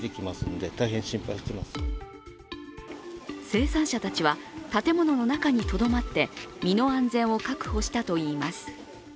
生産者たちは建物の中にとどまって身の安全を確保したといいます。